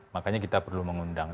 makanya kita perlu mengundang